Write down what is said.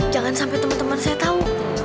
jangan sampai temen temen saya tau